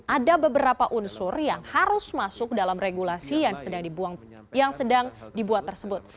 ada beberapa unsur yang harus masuk dalam regulasi yang sedang dibuat tersebut